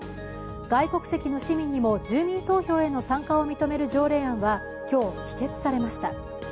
外国籍の市民にも住民投票への参加を認める条例案は今日、否決されました。